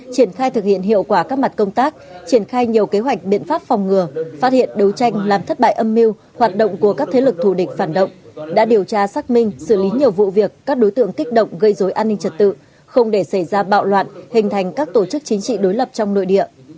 triển khai nhiều kế hoạch biện pháp phòng ngừa phát hiện đấu tranh làm thất bại âm mưu hoạt động của các thế lực thù địch phản động đã điều tra xác minh xử lý nhiều vụ việc các đối tượng kích động gây dối an ninh trật tự không để xảy ra bạo loạn hình thành các tổ chức chính trị đối lập trong nội địa